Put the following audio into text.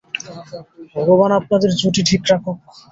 ভগবান আপনাদের জুটি ঠিক রাখুক।